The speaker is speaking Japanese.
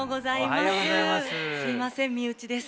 すいません身内です。